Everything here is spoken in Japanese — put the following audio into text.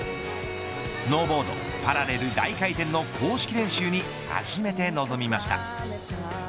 スノーボード・パラレル大回転の公式練習に初めて臨みました。